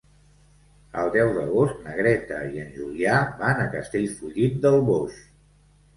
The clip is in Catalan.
El deu d'agost na Greta i en Julià van a Castellfollit del Boix.